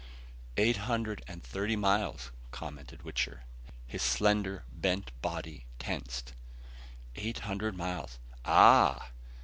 "Eight hundred and thirty miles," commented Wichter, his slender, bent body tensed. "Eight hundred miles ah!"